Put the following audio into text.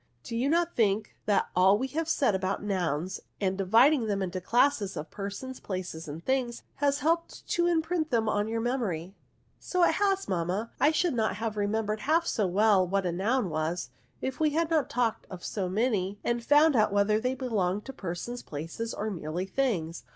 Do you not think that all we have said about nouns, and the dividing them into classes of persons, places, and things, has helped to imprint them on your memory ?"" So it has, mamma. I should not have rememembered half so well what a noun was, if we had not talked of so many, and found out whether they belonged to persons, places, or were merely things.